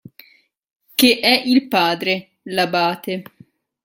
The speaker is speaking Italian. Che è il padre, l'abate.